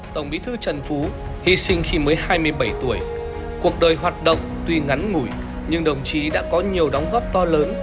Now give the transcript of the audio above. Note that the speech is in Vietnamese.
tổng bí thư trần phú hy sinh khi mới hai mươi bảy tuổi cuộc đời hoạt động tuy ngắn ngủi nhưng đồng chí đã có nhiều đóng góp to lớn